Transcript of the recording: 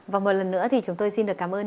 và một lần nữa thì chúng tôi xin được cảm ơn